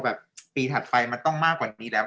แบบปีถัดไปมันต้องมากกว่านี้แล้ว